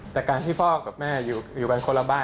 แต่การที่พ่อกับแม่อยู่กันคนละบ้าน